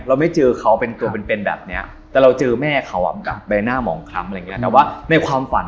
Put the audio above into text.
เราไม่เจอเขาเป็นตัวเหม็นเป็นแบบเนี้ย